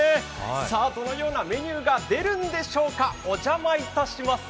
さぁどのようなメニューが出るんでしょうか、お邪魔いたします。